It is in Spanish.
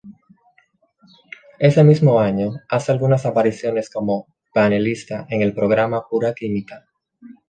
Ese mismo año hace algunas apariciones como panelista en el programa "Pura Química".